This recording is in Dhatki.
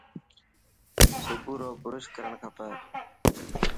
صبح رو برش ڪرڻ کپي